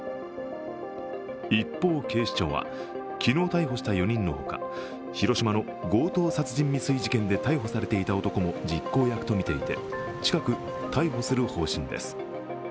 一方、警視庁は、昨日逮捕した４人のほか広島の強盗殺人未遂事件で逮捕されていた男も実行役とみていて、近く逮捕する方針です。